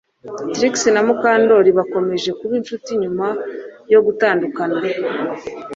Trix na Mukandoli bakomeje kuba inshuti nyuma yo gutandukana